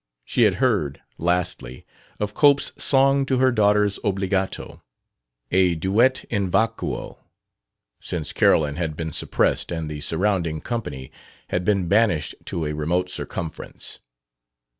She had heard, lastly, of Cope's song to her daughter's obbligato: a duet in vacuo, since Carolyn had been suppressed and the surrounding company had been banished to a remote circumference.